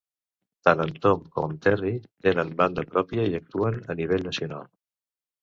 Tant en Tom com en Terry tenen banda pròpia i actuen a nivell nacional.